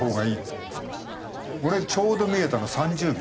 俺ちょうど見えたの３０秒。